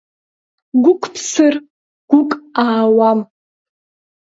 Гәык ԥсыр, гәык аауам!